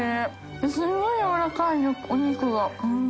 垢瓦やわらかいよお肉が。